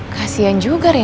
kasian juga rena